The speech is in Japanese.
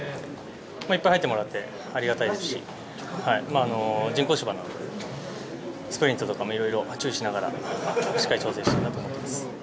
いっぱい入ってもらってありがたいですし人工芝のスプリントとかもいろいろ注意しながらしっかり調整したいと思います。